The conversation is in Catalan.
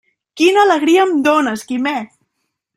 Quina alegria em dónes, Quimet!